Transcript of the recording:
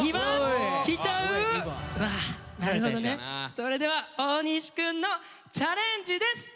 それでは大西くんのチャレンジです！